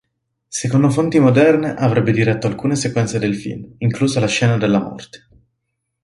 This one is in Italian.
Secondo fonti moderne, avrebbe diretto alcune sequenze del film, inclusa la scena della morte.